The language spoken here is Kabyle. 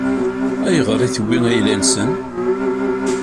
Ayɣer i tewwi ayla-nsen?